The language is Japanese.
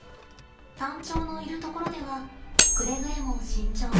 タンチョウのいるところではくれぐれも慎重に。